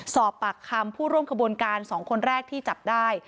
สอบปากคำผู้ร่วมขบวนการ๒คนแรกที่จับได้